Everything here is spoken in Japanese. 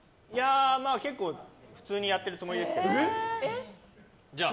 結構普通にやってるつもりですけど。